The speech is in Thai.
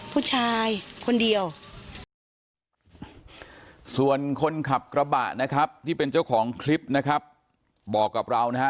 ผู้ชายคนเดียวส่วนคนขับกระบะนะครับที่เป็นเจ้าของคลิปนะครับบอกกับเรานะฮะ